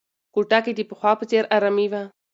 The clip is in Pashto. کوټه کې د پخوا په څېر ارامي وه.